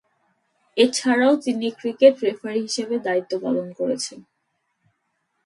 এছাড়াও, তিনি cricket referee হিসেবে দায়িত্ব পালন করেছেন।